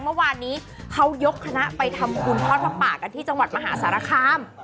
เมื่อวานนี้เขายกคณะไปทำบุญทอดผ้าป่ากันที่จังหวัดมหาสารคาม